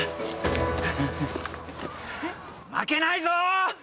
負けないぞ！